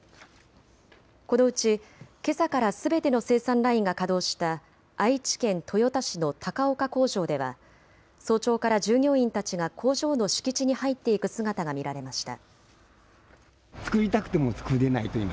このうち、けさからすべての生産ラインが稼働した愛知県豊田市の高岡工場では早朝から従業員たちが工場の敷地に入っていく姿が見られました。